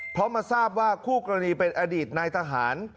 เพราะมาทราบว่าคู่กรณีเป็นอดีตนายทหาร